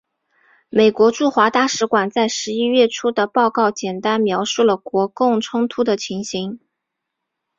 美国驻华大使馆在十一月初的报告简单描述了国共冲突的情形。